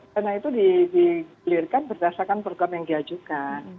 dana itu dikelirkan berdasarkan program yang diajukan